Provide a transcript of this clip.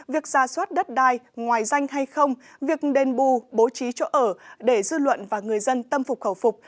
việc ra soát đất đai ngoài danh hay không việc đền bù bố trí chỗ ở để dư luận và người dân tâm phục khẩu phục